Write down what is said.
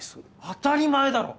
当たり前だろ！